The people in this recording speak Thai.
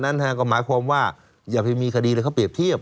นั้นก็หมายความว่าอย่าไปมีคดีเลยเขาเปรียบเทียบ